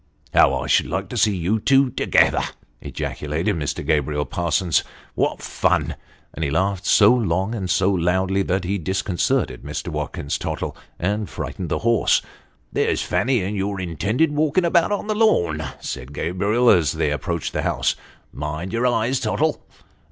" How I should like to see you together," ejaculated Mr. Gabriel Parsons. " What fun !" and he laughed so long and so loudly, that he disconcerted Mr. Watkins Tottle, and frightened the horse. " There's Fanny and your intended walking about on the lawn," said Gabriel, as they approached the house " Mind your eye, Tottle."